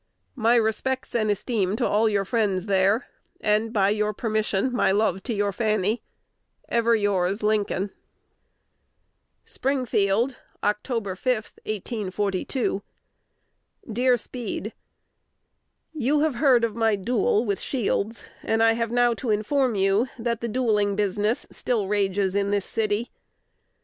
My respects and esteem to all your friends there, and, by your permission, my love to your Fanny. Ever yours, Lincoln. Springfield, Oct. 5, 1842. Dear Speed, You have heard of my duel with Shields, and I have now to inform you that the duelling business still rages in this city.